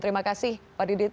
terima kasih pak didit